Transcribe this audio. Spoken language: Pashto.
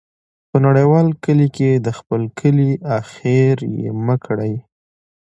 په نړیوال کلي کې د خپل کلی ، اخر یې مه کړې.